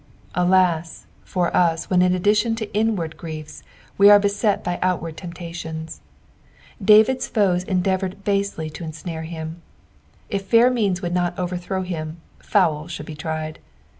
Alas I for us when in addition to inward griefs, we are beset by outward temptations. David's foes endeavoured basely to ensnare htm. If fair means would not overthrow him, foul should be tried.